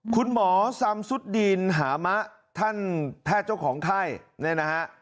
คุณหมอซัมซุดีนหามะท่านแพทย์เจ้าของไทย